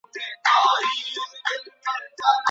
بامیان هواره سیمه نه ده.